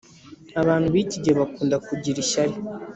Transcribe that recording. Abantu biki igihe bakunda kugira ishyari